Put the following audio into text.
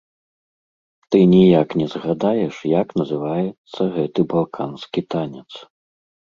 Ты ніяк не згадаеш, як называецца гэты балканскі танец.